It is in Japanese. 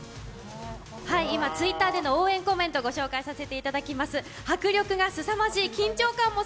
今Ｔｗｉｔｔｅｒでの応援コメント紹介させていただきます。